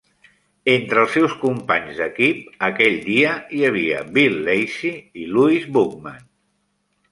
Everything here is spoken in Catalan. Entre els seus companys d'equip, aquell dia, hi havia Bill Lacey i Louis Bookman.